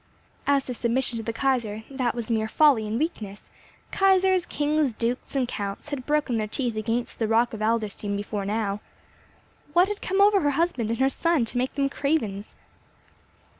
As to submission to the Kaiser, that was mere folly and weakness—kaisers, kings, dukes, and counts had broken their teeth against the rock of Adlerstein before now! What had come over her husband and her son to make them cravens?